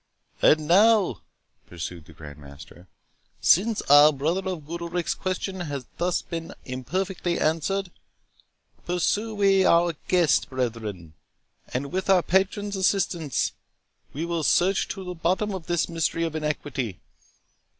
—"And now," pursued the Grand Master, "since our Brother of Goodalricke's question has been thus imperfectly answered, pursue we our quest, brethren, and with our patron's assistance, we will search to the bottom this mystery of iniquity.